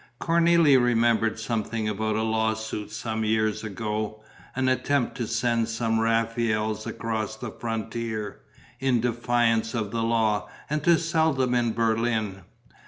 Cornélie remembered something about a law suit some years ago, an attempt to send some Raphaels across the frontier, in defiance of the law, and to sell them in Berlin....